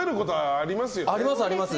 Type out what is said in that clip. あります、あります。